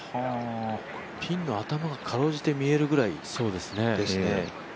ピンの頭がかろうじて見えるぐらい。